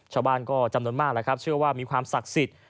ชาวบ้านก็จำนวนมากแหละครับเชื่อว่ามีความศักดิ์สิทธิ์